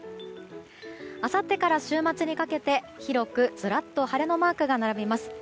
あさってから週末にかけて広く、ずらっと晴れのマークが並びます。